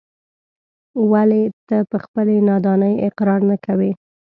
ولې ته په خپلې نادانۍ اقرار نه کوې.